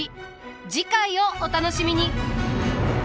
次回をお楽しみに。